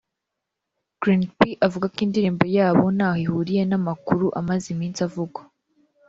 Green P avuga ko indirimbo yabo ntaho ihuriye n’amakuru amaze iminsi avugwa